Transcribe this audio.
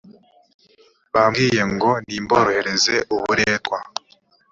bambwiye ngo nimborohereze uburetwa